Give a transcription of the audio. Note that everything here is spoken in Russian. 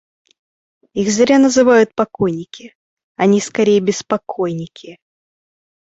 Их зря называют покойники, они скорее беспокойники.